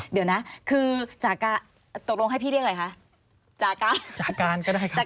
เดี๋ยวนะคือจาการ